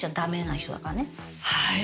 はい。